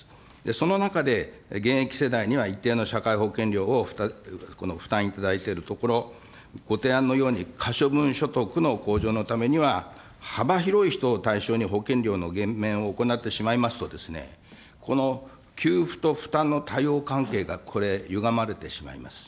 その中で、現役世代には一定の社会保険料を負担いただいているところ、ご提案のように、可処分所得の向上のためには、幅広い人を対象に保険料の減免を行ってしまいますとですね、この給付と負担のたいおう関係がこれ、ゆがまれてしまいます。